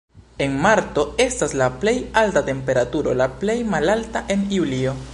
En marto estas la plej alta temperaturo, la plej malalta en julio.